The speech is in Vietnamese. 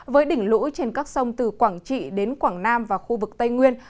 với đỉnh lũ trên các sông từ quảng trị đến quảng nam và khu vực tây nguyên